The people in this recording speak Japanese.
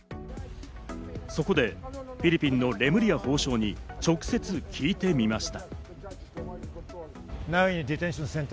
そこで、フィリピンのレムリヤ法相に直接聞いてみました。